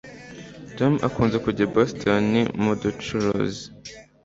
Tom akunze kujya i Boston mubucuruzi